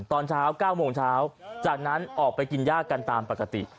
ตอนเช้า๙โมงเช้าจากนั้นออกไปกินย่ากันตามปกติ